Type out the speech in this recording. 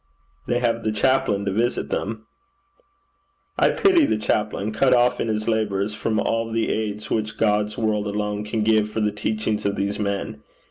'They have the chaplain to visit them.' 'I pity the chaplain, cut off in his labours from all the aids which God's world alone can give for the teaching of these men.